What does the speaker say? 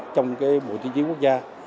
trong bộ tiêu chí quốc gia